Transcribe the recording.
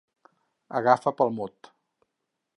Agafar pel mot.